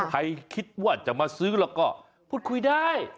ใครคิดว่าจะมาซื้อแล้วก็พูดคุยได้